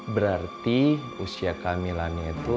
berarti usia kehamilannya itu